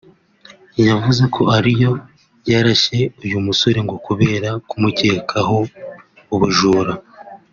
yavuze ko ariyo yarashe uyu musore ngo kubera kumukekaho ubujura